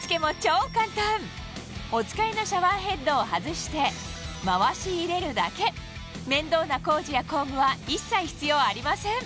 お使いのシャワーヘッドを外して回し入れるだけ面倒な工事や工具は一切必要ありません